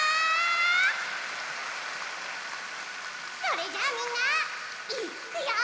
それじゃあみんないっくよ！